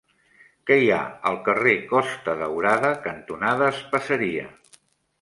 Què hi ha al carrer Costa Daurada cantonada Espaseria?